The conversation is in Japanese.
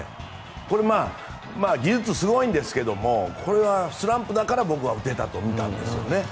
これ、技術はすごいんですけどこれはスランプだから僕は打てたと思うんですよね。